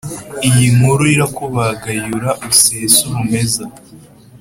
Iyi nkuru irakubagayura usese urumeza